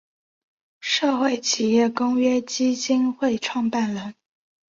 社会企业公约基金会创办人。